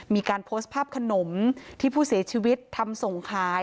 มีการโพสต์ภาพขนมที่ผู้เสียชีวิตทำส่งขาย